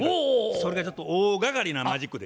それでちょっと大がかりなマジックで。